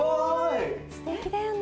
すてきだよね。